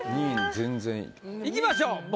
２位全然いい。いきましょう。